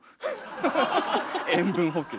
塩分補給！